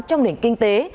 trong nền kinh tế